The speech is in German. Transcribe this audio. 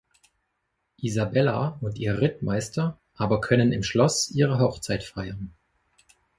Isabella und ihr Rittmeister aber können im Schloss ihre Hochzeit feiern.